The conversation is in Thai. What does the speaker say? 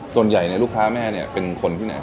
ส่วนใหญ่ลูกค้าแม่เนี่ยเป็นคนที่ไหน